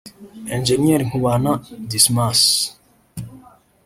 Eng Nkubana Dismas